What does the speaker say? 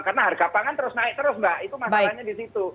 karena harga pangan terus naik terus mbak itu masalahnya di situ